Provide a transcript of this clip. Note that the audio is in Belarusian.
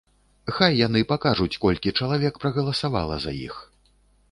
Хай яны пакажуць, колькі чалавек прагаласавала за іх.